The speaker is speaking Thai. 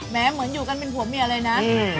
เหมือนอยู่กันเป็นผัวเมียเลยนะ